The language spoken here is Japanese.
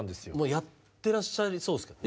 やってらっしゃりそうですけどね。